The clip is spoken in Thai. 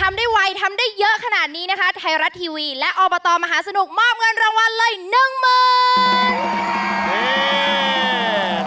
ทำได้ไวทำได้เยอะขนาดนี้นะคะไทยรัฐทีวีและอบตมหาสนุกมอบเงินรางวัลเลยหนึ่งหมื่น